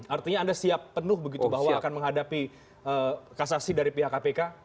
artinya anda siap penuh begitu bahwa akan menghadapi kasasi dari pihak kpk